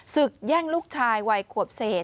ศึกแย่งลูกชายวัยขวบเสร็จ